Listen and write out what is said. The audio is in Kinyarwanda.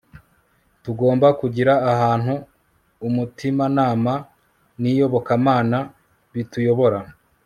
Tugomba kugira ahantu umutimanama niyobokamana bituyobora